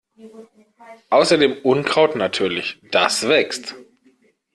Außer dem Unkraut natürlich, das wächst.